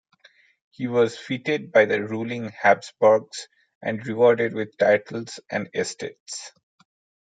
He was feted by the ruling Habsburgs and rewarded with titles and estates.